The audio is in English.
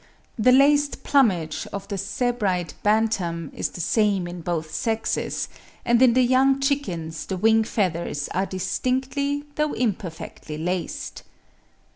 The laced plumage of the Sebright bantam is the same in both sexes, and in the young chickens the wing feathers are distinctly, though imperfectly laced.